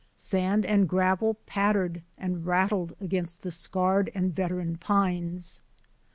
Sand and gravel pattered and rattled against the scarred and veteran pines.